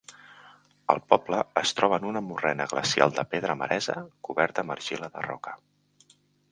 El poble es troba en una morrena glacial de pedra maresa coberta amb argila de roca.